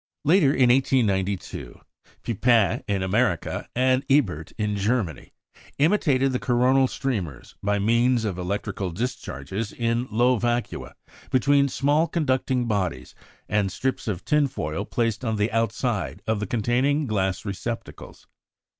Later, in 1892, Pupin in America, and Ebert in Germany, imitated the coronal streamers by means of electrical discharges in low vacua between small conducting bodies and strips of tinfoil placed on the outside of the containing glass receptacles.